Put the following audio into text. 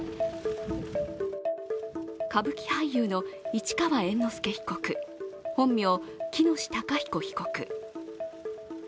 歌舞伎俳優の市川猿之助被告、本名、喜熨斗孝彦被告。